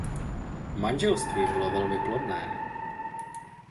Manželství bylo velmi plodné.